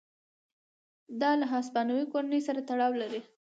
دا له هسپانوي کورنۍ سره تړاو لري.